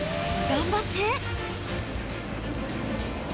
頑張って。